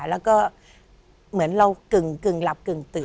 แล้วก็เหมือนเรากึ่งหลับกึ่งตื่น